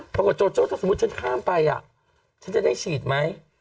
โจโจ้ถ้าสมมุติฉันข้ามไปฉันจะได้ฉีดไหม